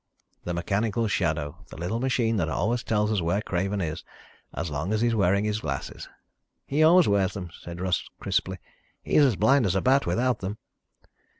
"The mechanical shadow. The little machine that always tells us where Craven is as long as he's wearing his glasses." "He always wears them," said Russ crisply. "He's blind as a bat without them."